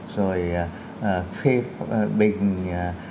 rồi phê bình